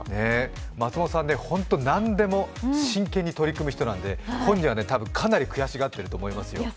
松本さんね、ホント何でも真剣に取り組む人なんで本人はかなり悔しがっていると思いますよ。